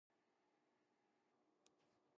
私の母親